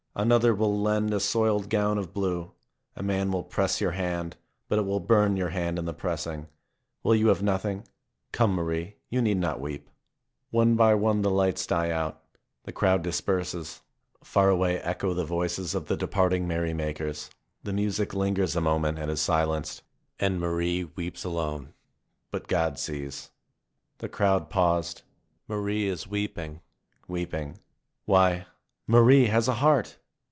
Another will lend a soiled gown of blue. A man will press your hand, but it will burn your hand in the pressing. Will you have nothing ? Come, Marie, you need not weep. MARIE 27 One by one the lights die out. The crowd disperses. Far away echo the voices of the departing merry makers. The music lingers a moment and is silenced. And Marie weeps alone. But God sees. The crowd paused. Marie is weeping, weeping. Why, Marie has a heart!